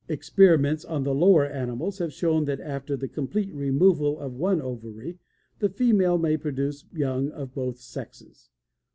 Experiments on the lower animals have shown that after the complete removal of one ovary the female may produce young of both sexes.